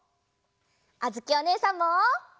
あづきおねえさんも。